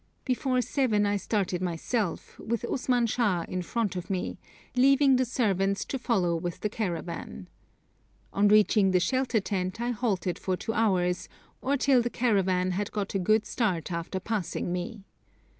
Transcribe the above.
Before seven I started myself, with Usman Shah in front of me, leaving the servants to follow with the caravan. On reaching the shelter tent I halted for two hours, or till the caravan had got a good start after passing me.